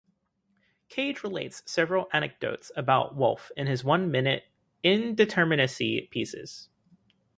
Cage relates several anecdotes about Wolff in his one-minute "Indeterminacy" pieces.